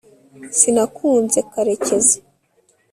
sinakunze karekezi